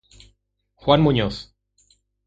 Juan Muñoz".